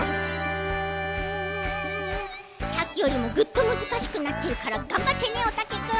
さっきよりもグッとむずかしくなってるからがんばってねおたけくん。